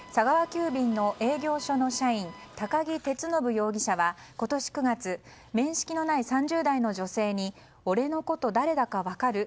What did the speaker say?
急便の営業所の社員都木徹信容疑者は今年９月面識のない３０代の女性に俺のこと、誰だか分かる？